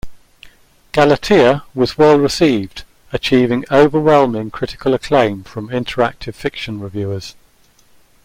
"Galatea" was well received, achieving overwhelming critical acclaim from interactive fiction reviewers.